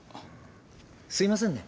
すいませんね。